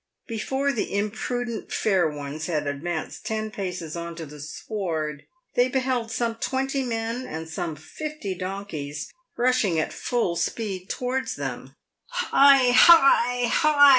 Before the imprudent fair ones had advanced ten paces on to the sward, they beheld some twenty men and some fifty donkeys rushing at full speed towards them. "Hi! hi! hi!"